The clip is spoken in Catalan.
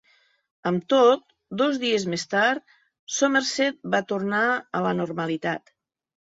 Amb tot, dos dies més tard, Somerset va tornar a la normalitat.